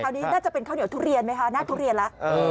นี้น่าจะเป็นข้าวเหนียวทุเรียนไหมคะหน้าทุเรียนแล้ว